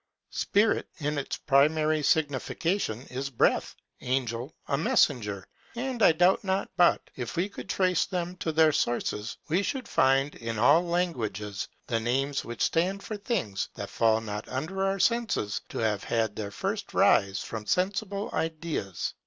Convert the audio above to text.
SPIRIT, in its primary signification, is breath; ANGEL, a messenger: and I doubt not but, if we could trace them to their sources, we should find, in all languages, the names which stand for things that fall not under our senses to have had their first rise from sensible ideas.